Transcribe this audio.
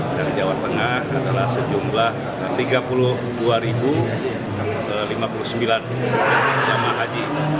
dan jawa tengah adalah sejumlah tiga puluh dua lima puluh sembilan jemaah haji yang akan diberangkatkan di tahun dua ribu dua puluh empat